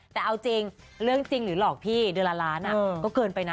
แต่เอาจริงเรื่องจริงหรือหลอกพี่เดือนละล้านก็เกินไปนะ